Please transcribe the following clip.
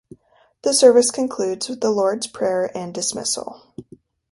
The service concludes with the Lord's Prayer and Dismissal.